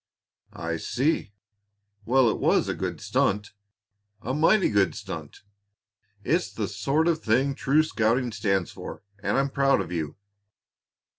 "I see. Well, it was a good stunt a mighty good stunt! It's the sort of thing true scouting stands for, and I'm proud of you."